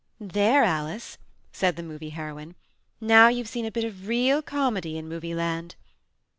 "There, Alice," said the Movie Heroine. "Now you've seen a bit of real comedy in Movie Land."